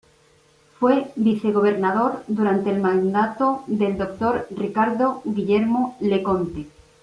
Fue vicegobernador durante el mandato del Dr. Ricardo Guillermo Leconte.